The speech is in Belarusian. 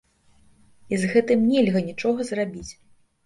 І з гэтым нельга нічога зрабіць.